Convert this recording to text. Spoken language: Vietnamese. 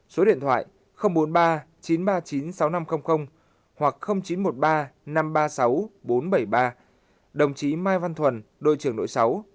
số điện thoại bốn mươi ba chín trăm ba mươi chín sáu nghìn năm trăm linh hoặc chín trăm một mươi ba năm trăm ba mươi sáu bốn trăm bảy mươi ba đồng chí mai văn thuần đội trưởng đội sáu